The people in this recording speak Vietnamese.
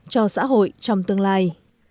cho xã hội trong tương lai